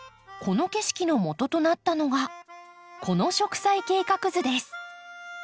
この景色のもととなったのがこの植栽計画図です。